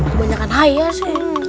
kebanyakan haya sun